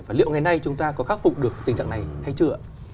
và liệu ngày nay chúng ta có khắc phục được tình trạng này hay chưa ạ